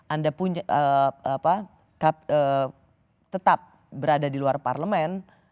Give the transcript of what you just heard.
anda pun tetap berada di luar parlemen